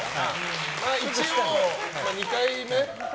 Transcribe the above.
一応、２回目？